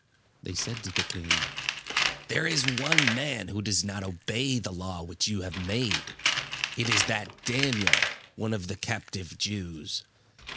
They said to the king: "There is one man who does not obey the law which you have made. It is that Daniel, one of the captive Jews.